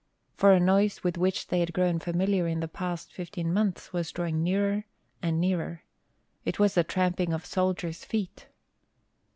For a noise with which they had grown familiar in the past fifteen months was drawing nearer and nearer. It was the tramping of soldiers' feet.